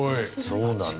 そうなんだ。